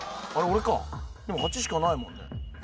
俺かでも８しかないもんね